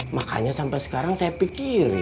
makanya sampai sekarang saya pikir